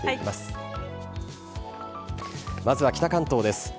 まずは北関東です。